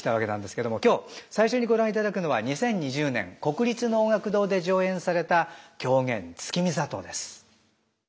今日最初にご覧いただくのは２０２０年国立能楽堂で上演された狂言「月見座頭」です。